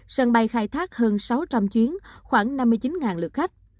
sân bay khai thác hơn sáu trăm linh chuyến khoảng năm mươi chín lượt khách